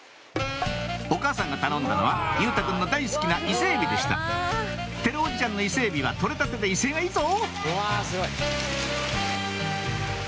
お母さんが頼んだのは佑太くんの大好きなイセエビでしたてるおじちゃんのイセエビは取れたてで威勢がいいぞ！